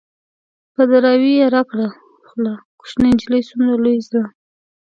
په دراوۍ يې راکړه خوله - کوشنی نجلۍ څومره لوی زړه